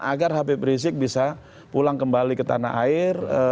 agar habib rizik bisa pulang kembali ke tanah air